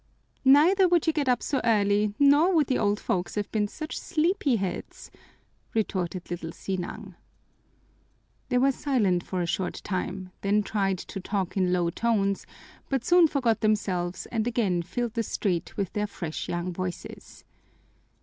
"Neither would you get up so early nor would the old folks have been such sleepy heads," retorted little Sinang. They were silent for a short time, then tried to talk in low tones, but soon forgot themselves and again filled the street with their fresh young voices.